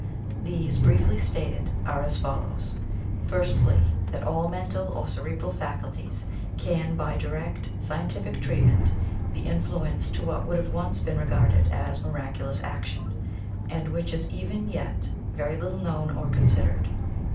These, briefly stated, are as follows: Firstly, that all mental or cerebral faculties can by direct scientific treatment be influenced to what would have once been regarded as miraculous action, and which is even yet very little known or considered.